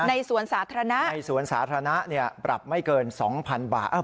ในสวนสาธารณะปรับไม่เกิน๒๐๐๐บาท